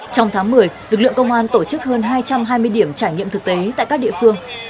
trong tháng một mươi lực lượng công an tổ chức hơn hai trăm hai mươi điểm trải nghiệm thực tế tại các địa phương